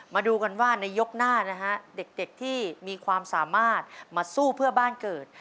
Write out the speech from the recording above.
มาดูกันว่าในยกหน้านะฮะเด็กที่มีความสามารถมาสู้เพื่อบ้านเกิด